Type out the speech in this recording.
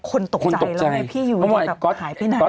คนตกใจแล้วพี่อยู่ไหนหายไปไหน